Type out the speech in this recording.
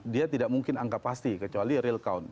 dia tidak mungkin angka pasti kecuali real count